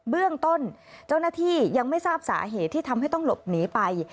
เบื้องต้นเจ้าหน้าที่ยังไม่ทราบสาเหตุที่ทำให้ต้องหลบหนีไป